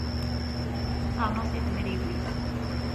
Ad ternuḍ tidemriwin.